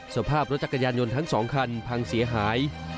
สภาพรถจักรยานยนต์ทั้ง๒คันพังเสียหาย